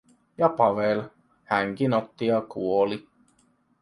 Ja Pavel, hänkin otti ja kuoli.